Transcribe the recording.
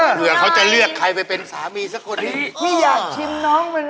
เผื่อเขาจะเลือกใครไปเป็นสามีสักคนเลย